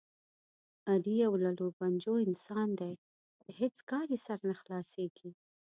علي یو للوپنجو انسان دی، په هېڅ کار یې سر نه خلاصېږي.